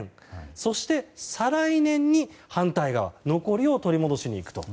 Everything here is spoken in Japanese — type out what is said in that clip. そして再来年に反対側残りを取り戻しに行くと。